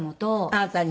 あなたに？